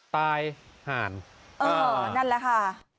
ตายห่านเออนั่นแหละค่ะ